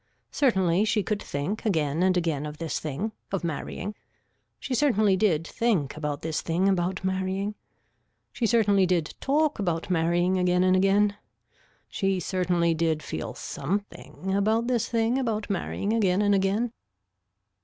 Certainly she could think again and again of this thing, of marrying. She certainly did think about this thing about marrying. She certainly did talk about marrying again and again. She certainly did feel something about this thing about marrying again and again.